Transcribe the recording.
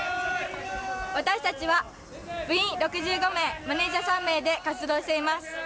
私たちは部員６５名マネージャー３名で活動しています。